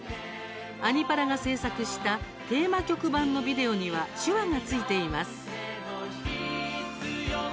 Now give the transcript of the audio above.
「アニ×パラ」が制作したテーマ曲版のビデオには手話がついています。